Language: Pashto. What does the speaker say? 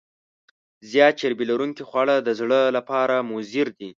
زیات چربي لرونکي خواړه د زړه لپاره مضر دي.